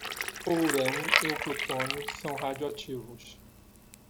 O urânio e o plutônio são radioativos.